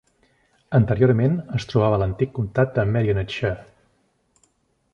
Anteriorment, es trobava a l'antic comtat de Merionethshire.